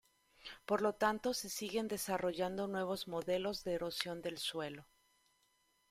Por lo tanto, se siguen desarrollando nuevos modelos de erosión del suelo.